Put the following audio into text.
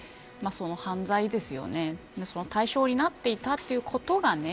その対象になっていたということがね